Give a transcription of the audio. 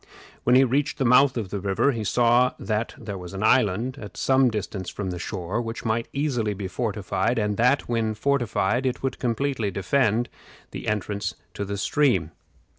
When he reached the mouth of the river, he saw that, there was an island, at some distance from the shore, which might easily be fortified, and that, when fortified, it would completely defend the entrance to the stream.